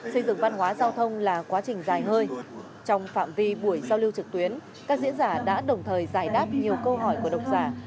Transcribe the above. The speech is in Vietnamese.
xây dựng văn hóa giao thông là quá trình dài hơi trong phạm vi buổi giao lưu trực tuyến các diễn giả đã đồng thời giải đáp nhiều câu hỏi của độc giả